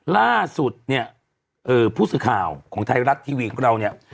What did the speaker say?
ล่าสุดเนี่ยผู้สื่อข่าวของไทยรัฐทีวีของเราเนี่ย